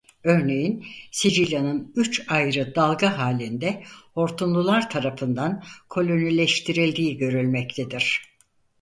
Örneğin Sicilya'nın üç ayrı dalga hâlinde hortumlular tarafından kolonileştirildiği görülmektedir.